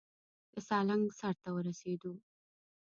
د سالنګ سر ته ورسېدو.